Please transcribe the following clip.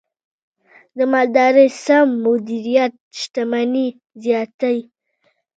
د مالدارۍ سم مدیریت شتمني زیاتوي.